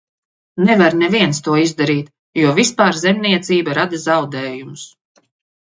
Nevar neviens to izdarīt, jo vispār zemniecība rada zaudējumus.